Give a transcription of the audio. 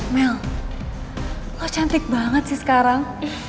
mel kok cantik banget sih sekarang